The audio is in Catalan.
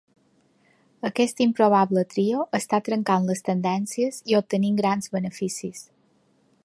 Aquest improbable trio està trencant les tendències i obtenint grans beneficis.